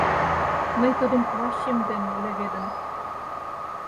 Мый тудым плащем дене леведым.